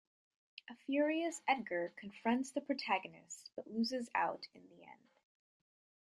A furious Edgar confronts the protagonist, but loses out in the end.